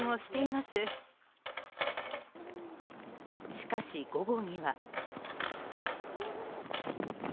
しかし、午後には。